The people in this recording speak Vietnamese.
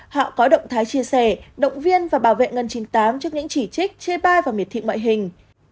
họ có động thái chia sẻ động viên và bảo vệ ngân chín mươi tám trước những chỉ trích chia ba và miệt thị ngoại hình